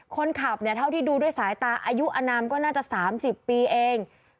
คนขับเนี่ยเท่าที่ดูด้วยสายตาอายุอนามก็น่าจะ๓๐ปีเอง